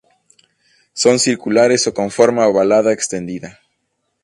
Son circulares o con forma ovalada extendida.